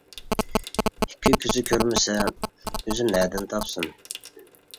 ئىككى كۆزى كۆرمىسە ئۆزى نەدىن تاپسۇن.